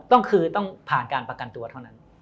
คือต้องผ่านการประกันตัวเท่านั้น